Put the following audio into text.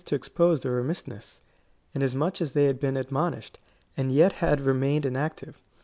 191 to expose their remissness, inasmucli as tliey had been ad monished, and yet had remained inactive.